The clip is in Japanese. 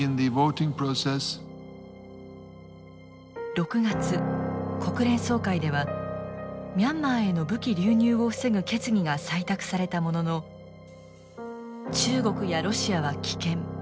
６月国連総会ではミャンマーへの武器流入を防ぐ決議が採択されたものの中国やロシアは棄権。